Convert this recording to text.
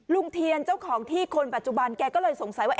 ลุงเทียนเจ้าของที่คนปัจจุบันแกก็เลยสงสัยว่า